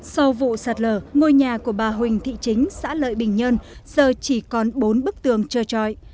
sau vụ sạt lở ngôi nhà của bà huỳnh thị chính xã lợi bình nhơn giờ chỉ còn bốn bức tường trơ trọi